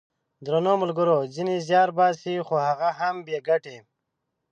درنو ملګرو ! ځینې زیار باسي خو هغه هم بې ګټې!